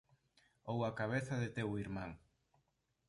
Ou a cabeza de teu irmán.